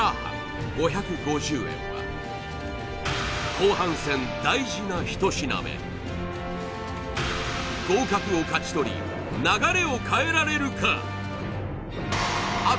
後半戦大事な１品目合格を勝ち取り流れを変えられるか？